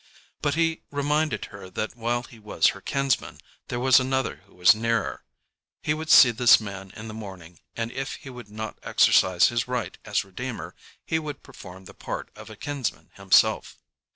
But he reminded her that while he was her kinsman, there was another who was nearer. He would see this man in the morning, and if he would not exercise his right as "redeemer," he would perform the part of a kinsman himself.